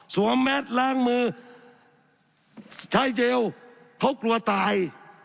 สวมแมงล้างมือชายเจวเค้ากลัวตาย